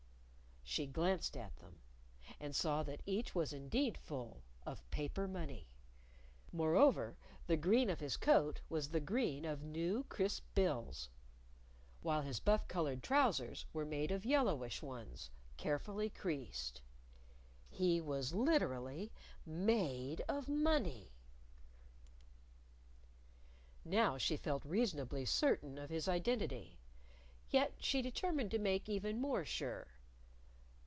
She glanced at them. And saw that each was indeed full of paper money. Moreover, the green of his coat was the green of new crisp bills. While his buff colored trousers were made of yellowish ones, carefully creased. He was literally made of money. Now she felt reasonably certain of his identity. Yet she determined to make even more sure.